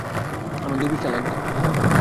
আমার দুইটা পৃষ্ঠা লাগবে।